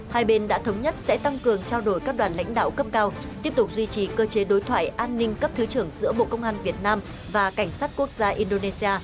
hai bên đã thống nhất sẽ tăng cường trao đổi các đoàn lãnh đạo cấp cao tiếp tục duy trì cơ chế đối thoại an ninh cấp thứ trưởng giữa bộ công an việt nam và cảnh sát quốc gia indonesia